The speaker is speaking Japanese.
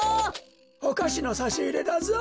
おかしのさしいれだぞ。